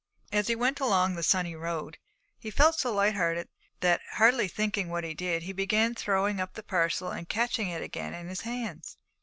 As he went along the sunny road, he felt so light hearted that, hardly thinking what he did, he began throwing up the parcel and catching it again in his hands.